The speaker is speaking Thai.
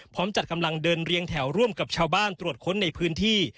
จัดกำลังเดินเรียงแถวร่วมกับชาวบ้านตรวจค้นในพื้นที่